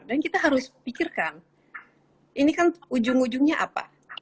dan kita harus pikirkan ini kan ujung ujungnya apa